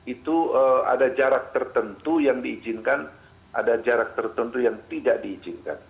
itu ada jarak tertentu yang diizinkan ada jarak tertentu yang tidak diizinkan